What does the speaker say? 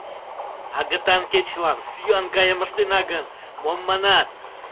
Агытан кечылан сӱан гайым ыштена гын, мом манат?